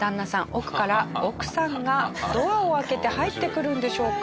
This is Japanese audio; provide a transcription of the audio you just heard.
奥から奥さんがドアを開けて入ってくるんでしょうか？